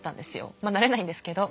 まあなれないんですけど。